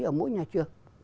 ở mỗi nhà trường